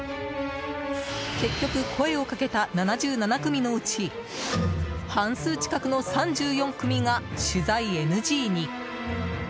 結局、声をかけた７７組のうち半数近くの３４組が取材ＮＧに。